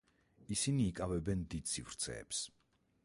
ისინი იკავებენ დიდ სივრცეებს.